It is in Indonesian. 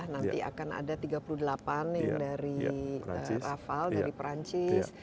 nanti akan ada tiga puluh delapan yang dari rafael dari perancis